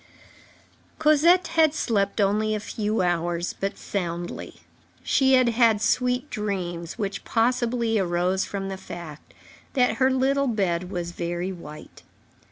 Cosette had slept only a few hours, but soundly. She had had sweet dreams, which possibly arose from the fact that her little bed was very white.